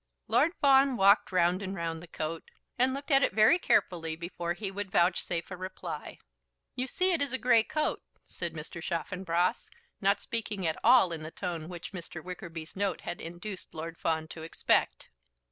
Lord Fawn walked round and round the coat, and looked at it very carefully before he would vouchsafe a reply. "You see it is a grey coat," said Mr. Chaffanbrass, not speaking at all in the tone which Mr. Wickerby's note had induced Lord Fawn to expect.